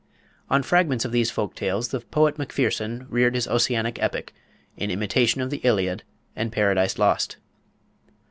On fragments of these folk tales the poet Macpherson reared his Ossianic epic, in imitation of the Iliad and Paradise Lost.